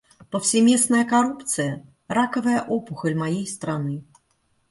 Повсеместная коррупция — раковая опухоль моей страны.